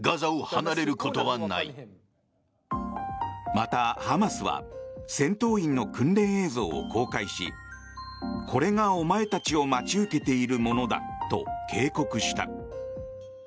また、ハマスは戦闘員の訓練映像を公開しこれがお前たちを待ち受けているものだと警告した。